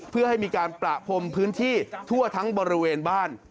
เพื่อให้มีการประพรมพื้นที่ทั่วทั้งบริเวณบ้าน